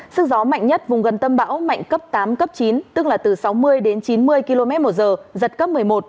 sức gió mạnh nhất vùng gần tâm bão mạnh cấp tám cấp chín tức là từ sáu mươi đến chín mươi km một giờ giật cấp một mươi một